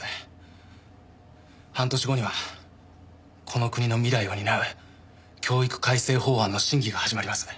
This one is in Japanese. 半年後にはこの国の未来を担う教育改正法案の審議が始まります。